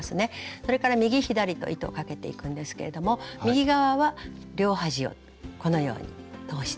それから右左と糸をかけていくんですけれども右側は両端をこのように通してす。